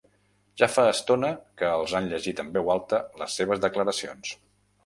Ja fa estona que els han llegit en veu alta les seves declaracions.